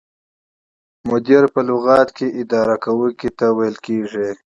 مدیر په لغت کې اداره کوونکي ته ویل کیږي.